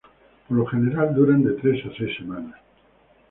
Por lo general, duran de tres a seis semanas.